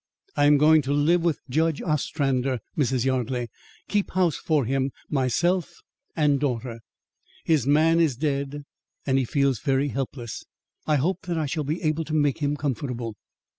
I am going to live with Judge Ostrander, Mrs. Yardley; keep house for him, myself and daughter. His man is dead and he feels very helpless. I hope that I shall be able to make him comfortable."